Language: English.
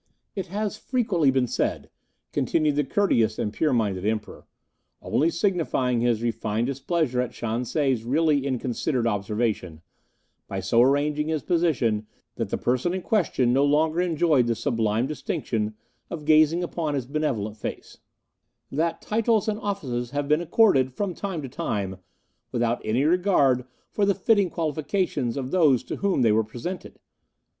"'It has frequently been said,' continued the courteous and pure minded Emperor, only signifying his refined displeasure at Shan se's really ill considered observation by so arranging his position that the person in question on longer enjoyed the sublime distinction of gazing upon his benevolent face, 'that titles and offices have been accorded, from time to time, without any regard for the fitting qualifications of those to whom they were presented.